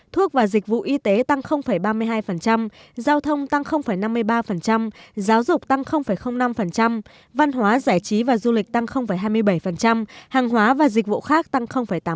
thuốc và dịch vụ y tế tăng ba mươi hai giao thông tăng năm mươi ba giáo dục tăng năm văn hóa giải trí và du lịch tăng hai mươi bảy hàng hóa và dịch vụ khác tăng tám